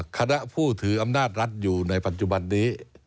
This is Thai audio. คณะผู้ถืออำนาจรัฐอยู่ในปัจจุบันนี้